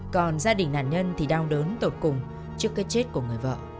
còn gia đình nạn nhân thì đau đớn tột cùng trước cái chết của người vợ